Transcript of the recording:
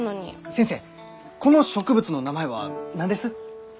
先生この植物の名前は何です？